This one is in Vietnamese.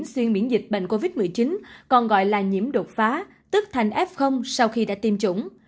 xuyên miễn dịch bệnh covid một mươi chín còn gọi là nhiễm đột phá tức thành f sau khi đã tiêm chủng